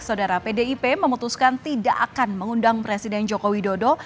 saudara pdip memutuskan tidak akan mengundang presiden joko widodo